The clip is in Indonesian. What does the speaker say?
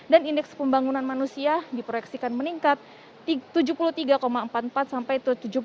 dan indeks pembangunan manusia diproyeksikan meningkat tujuh puluh tiga empat puluh empat sampai tujuh puluh tiga empat puluh delapan